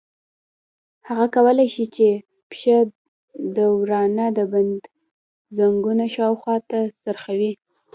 هغه کولای شي چې پښه د ورانه د بند زنګون شاوخوا ته څرخوي.